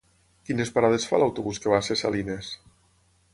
Quines parades fa l'autobús que va a Ses Salines?